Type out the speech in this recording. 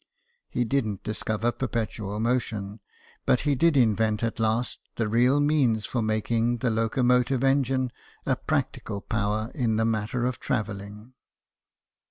He didn't dis cover perpetual motion, but he did invent at last the real means for making the locomotive engine a practical power in the matter of travelling.